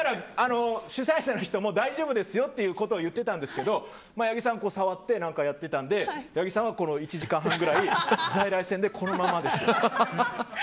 主催者の人も大丈夫ですよと言ってたんですけど八木さん、触って何かやってたので八木さんは１時間半ぐらい在来線でこのままです。